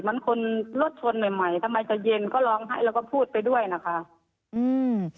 เหมือนคนรถชนใหม่ใหม่ทำไมจะเย็นก็ร้องไห้แล้วก็พูดไปด้วยนะคะอืม